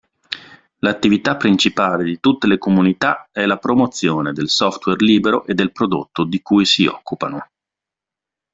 L'attività principale di tutte le comunità è la promozione del software libero e del prodotto di cui si occupano.